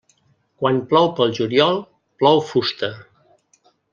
Quan plou pel juliol, plou fusta.